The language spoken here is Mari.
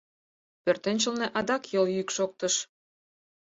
Пӧртӧнчылнӧ адак йол йӱк шоктыш.